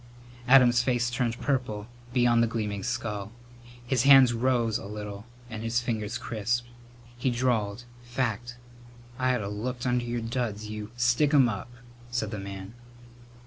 Adam's face turned purple beyond the gleaming skull. His hands rose a little and his fingers crisped. He drawled, "Fact. I ought have looked under your duds, you " "Stick 'em up!" said the man.